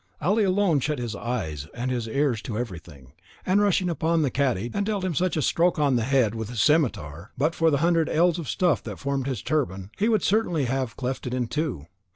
Ali alone shut his eyes and his ears to everything, and rushing upon the cadi, dealt him such a stroke on the head with his scimetar, that, but for the hundred ells of stuff that formed his turban, he would certainly have cleft it in two.